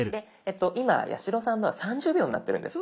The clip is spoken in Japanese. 今八代さんのは３０秒になってるんです。